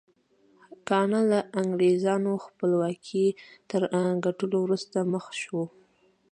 ګانا له انګرېزانو خپلواکۍ تر ګټلو وروسته مخ شو.